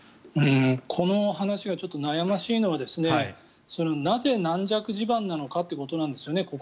この話はちょっと悩ましいのはなぜ軟弱地盤なのかということなんですよね。